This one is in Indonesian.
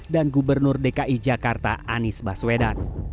dan gubernur dki jakarta anies baswena